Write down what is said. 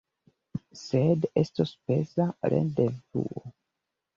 Sed estos peza rendevuo.